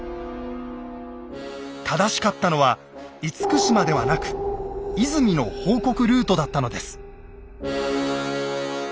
正しかったのは「厳島」ではなく「和泉」の報告ルートだったのです。